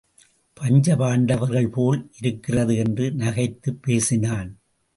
பஞ்சபாண்டவர்கள் போல் இருக்கிறது என்று நகைத்துப் பேசினான்.